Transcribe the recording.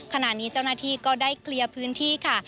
ขณะนี้เจ้าหน้าที่ก็ได้เคลียร์พื้นที่ค่ะ